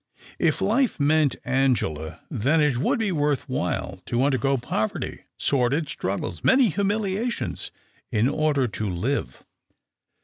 If life meant Angela, then it would be worth while to undergo poverty, sordid struggles, many humiliations, in order to live.